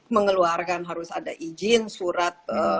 mengeluarkan harus ada izin surat